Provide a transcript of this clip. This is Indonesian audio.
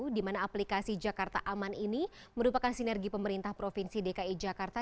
di mana aplikasi jakarta aman ini merupakan sinergi pemerintah provinsi dki jakarta